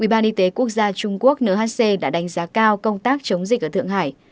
ubnd trung quốc nhc đã đánh giá cao công tác chống dịch ở thượng hải